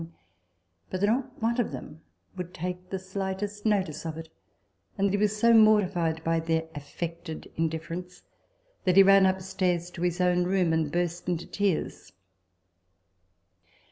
i. 90. 144 RECOLLECTIONS OF THE of them would take the slightest notice of it ; and that he was so mortified by their affected indiffer ence, that he ran upstairs to his own room, and burst into tears.